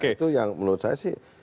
itu yang menurut saya sih